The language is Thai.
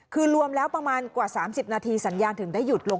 คือรวมแล้วประมาณกว่า๓๐นาทีสัญญาณถึงได้หยุดลง